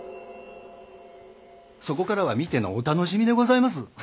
そこからは見てのお楽しみでございます。